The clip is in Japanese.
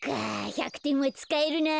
１００てんはつかえるな。